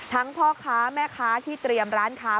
พ่อค้าแม่ค้าที่เตรียมร้านค้า